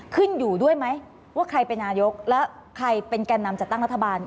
ขึ้นอยู่ด้วยไหมว่าใครเป็นนายกแล้วใครเป็นแก่นำจัดตั้งรัฐบาล